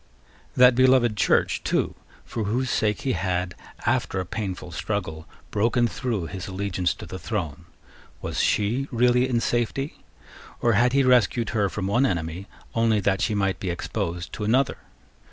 That beloved Church, too, for whose sake he had, after a painful struggle, broken through his allegiance to the throne, was she really in safety? Or had he rescued her from one enemy only that she might be exposed to another?